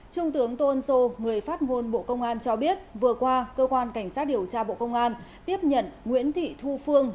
trung tướng tô ân sô người phát ngôn bộ công an cho biết vừa qua cơ quan cảnh sát điều tra bộ công an tiếp nhận nguyễn thị thu phương